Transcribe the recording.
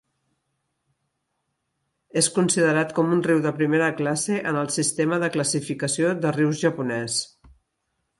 És considerat com un "riu de primera classe" en el sistema de classificació de rius japonès.